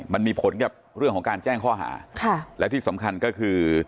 มันมีผลกับเรื่องของการแจ้งข้อหาค่ะและที่สำคัญก็คือ